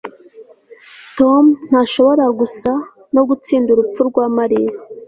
tom ntashobora gusa no gutsinda urupfu rwa mariya